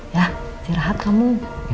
ya istirahat kamu